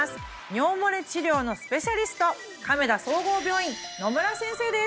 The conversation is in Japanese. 尿もれ治療のスペシャリスト亀田総合病院野村先生です